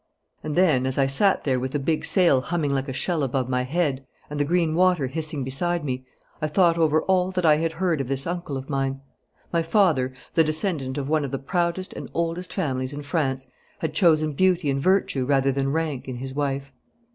And then, as I sat there with the big sail humming like a shell above my head and the green water hissing beside me, I thought over all that I had heard of this uncle of mine. My father, the descendant of one of the proudest and oldest families in France, had chosen beauty and virtue rather than rank in his wife.